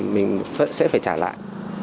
mình sẽ phải trả lại